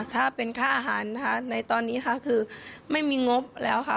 ถ้าเป็นค่าอาหารนะคะในตอนนี้ค่ะคือไม่มีงบแล้วค่ะ